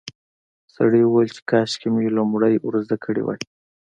سړي وویل چې کاشکې مې لومړی ور زده کړي وای.